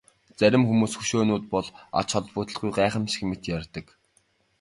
Зарим хүмүүс хөшөөнүүд бол ач холбогдолгүй гайхамшиг мэт ярьдаг.